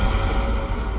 tidak ada yang bisa dipercaya